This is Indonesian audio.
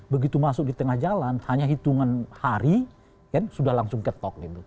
begitu masuk di tengah jalan hanya hitungan hari sudah langsung ketok gitu